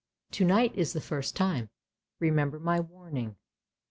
To night is the first time. Remember my warning!